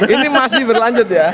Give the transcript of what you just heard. ini masih berlanjut ya